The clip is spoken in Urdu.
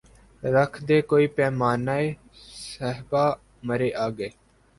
رکھ دے کوئی پیمانۂ صہبا مرے آگے